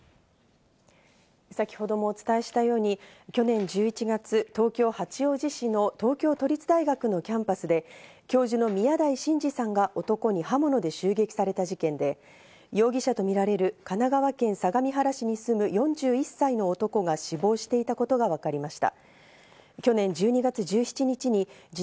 先程もお伝えしましたように、去年１１月、東京・八王子市の東京都立大学のキャンパスで教授の宮台真司さんが男に刃物で襲撃された事件で、容疑者とみられる神奈川県相模原市に住む、４１歳の男が死亡していたことがわかりました。